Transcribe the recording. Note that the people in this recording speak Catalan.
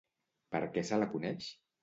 Per què se la coneix?